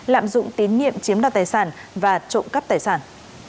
lạm dụng tiến nghiệm chiếm đoạt tài sản và trộm cắp tài sản